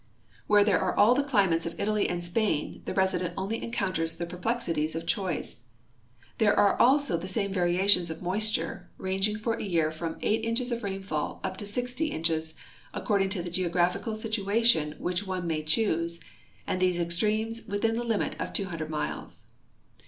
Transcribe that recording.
Where there are all the climates of Italy and Spain, the resident onl}^ encounters the perplexity of choice. There are also the same variations of moisture, ranging for a }'ear from 8 inches of rainfall up to 60 inches, according to the geographical situation which one may choose, and these extremes within the limit of 200 miles.